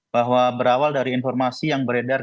bahwa berawal dari informasi yang beredar